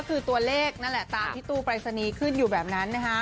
ก็คือตัวเลขนั่นแหละตามที่ตู้ปรายศนีย์ขึ้นอยู่แบบนั้นนะคะ